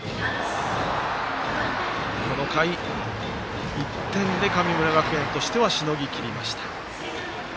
この回、１点で神村学園としてはしのぎきりました。